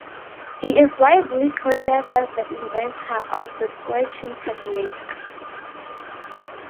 He is widely credited as the inventor of the scratching technique.